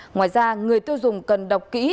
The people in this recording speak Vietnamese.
ngoài ra người tiêu dùng cần đọc kỹ